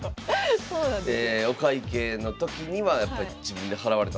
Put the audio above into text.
お会計の時には自分で払われた。